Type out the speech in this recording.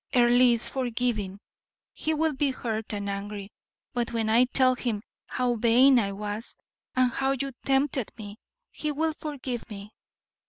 Earle is forgiving; he will be hurt and angry, but when I tell him how vain I was, and how you tempted me, he will forgive me."